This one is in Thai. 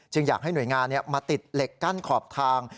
อยากให้หน่วยงานมาติดเหล็กกั้นขอบทาง